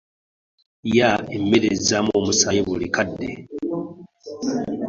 Lya emmere ezzaamu omusaayi buli kadde.